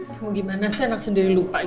kamu gimana sih anak sendiri lupa gitu